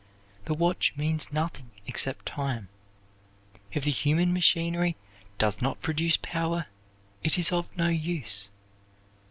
The watch means nothing except time. If the human machinery does not produce power, it is of no use.